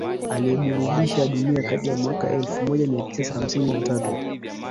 aliyeburudhisha dunia kati ya mwaka elfu moja mia tisa hamsini na tatu